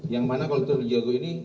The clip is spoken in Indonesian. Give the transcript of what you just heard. yang mana kalau tol cijago ini